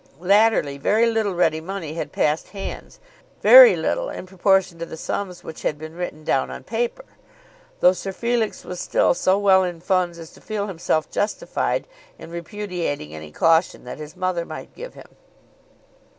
Latterly very little ready money had passed hands, very little in proportion to the sums which had been written down on paper, though Sir Felix was still so well in funds as to feel himself justified in repudiating any caution that his mother might give him.